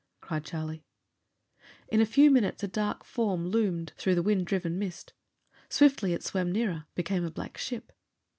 cried Charlie. In a few minutes a dark form loomed through the wind riven mist. Swiftly it swam nearer; became a black ship.